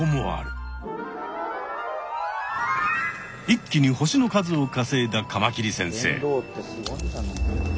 一気に星の数をかせいだカマキリ先生。